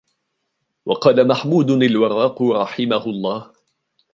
وَقَالَ مَحْمُودٌ الْوَرَّاقُ رَحِمَهُ اللَّهُ